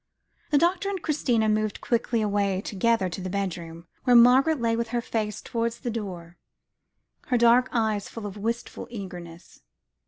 The doctor and Christina moved quickly away together to the bedroom, where Margaret lay with her face towards the door, her dark eyes full of wistful eagerness.